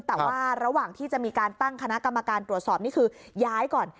แต่ว่าระหว่างที่จะมีการตั้งคณะกรรมการตรวจสอบนี่คือย้ายก่อน